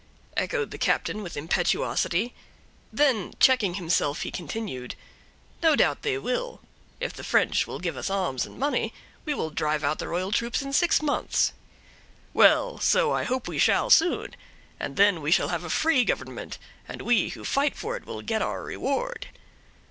echoed the captain with impetuosity. Then checking himself, he continued, "No doubt they will. If the French will give us arms and money, we will drive out the royal troops in six months." "Well, so I hope we shall soon; and then we shall have a free government, and we, who fight for it, will get our reward."